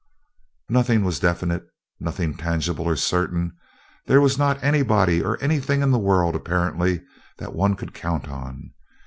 Nothing was definite, nothing tangible or certain; there was not anybody or anything in the world, apparently, that one could count on.